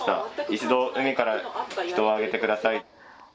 一度、海から人を上げてください。